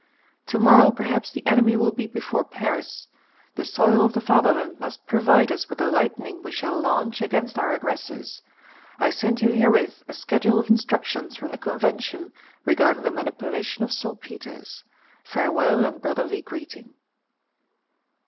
To morrow perhaps the enemy will be before Paris; the soil of the fatherland must provide us with the lightning we shall launch against our aggressors. I send you herewith a schedule of instructions from the Convention regarding the manipulation of saltpetres. Farewell and brotherly greeting."